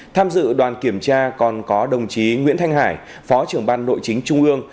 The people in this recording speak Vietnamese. tham dự đoàn kiểm tra còn có đồng chí nguyễn thanh hải phó trưởng ban nội chính trung ương